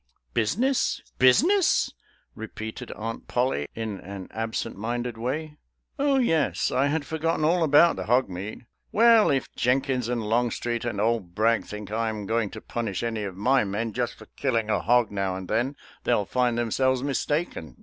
" Business — business ?" repeated Aunt Pollie in an absent minded way. " Oh, yes — I had for gotten all about the hog meat. Well, if Jenkins and Longstreet and old Bragg think I am go ing to punish any of my men just for killing a hog now and then, they'll find themselves mis taken.